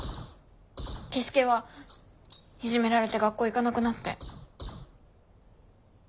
樹介はいじめられて学校行かなくなって。